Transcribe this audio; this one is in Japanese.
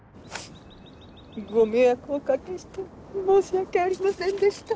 ご迷惑お掛けして申し訳ありませんでした。